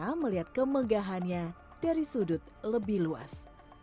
kita melihat kemegahannya dari sudut lebih luas